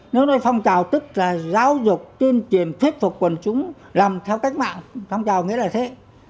nếu nói phong trào tức là giáo dục tiên triển thuyết phục quân chúng làm theo cách mạng phong trào nghĩa là thế